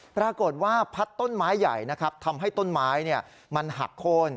ปรากฏว่าพัดต้นไม้ใหญ่นะครับทำให้ต้นไม้มันหักโค้น